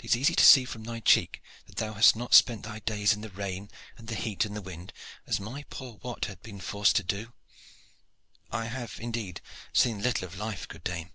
It is easy to see from thy cheek that thou hast not spent thy days in the rain and the heat and the wind, as my poor Wat hath been forced to do." "I have indeed seen little of life, good dame."